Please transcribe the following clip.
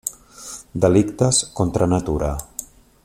Delictes contra natura.